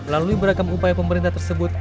lalui beragam upaya pemerintah tersebut